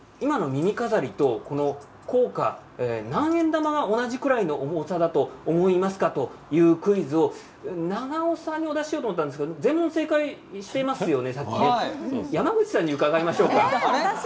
耳飾りとこの硬貨何円玉と同じぐらいの重さだと思いますかというクイズを長尾さんにお出ししようと思ったんですけど、全問正解されましたよね。